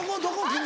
君」。